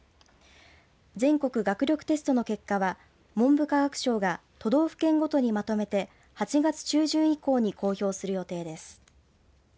全国学力テストの結果は文部科学省が都道府県ごとにまとめて８月中旬以降に公表する予定です。